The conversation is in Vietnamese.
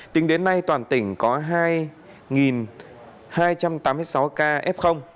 tính đến nay toàn tỉnh có hai hai trăm tám mươi sáu ca f